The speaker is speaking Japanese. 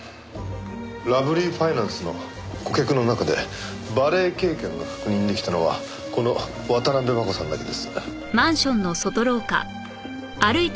ラブリーファイナンスの顧客の中でバレエ経験が確認出来たのはこの渡辺真子さんだけです。